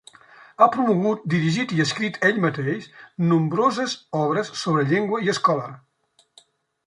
Ha promogut, dirigit i escrit ell mateix nombroses obres sobre llengua i escola.